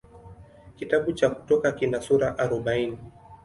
Kitabu cha Kutoka kina sura arobaini.